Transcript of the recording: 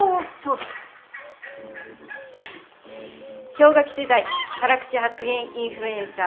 「氷河期世代辛口発言インフルエンサー